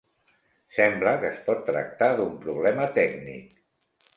Sembla que es pot tractar d'un problema tècnic.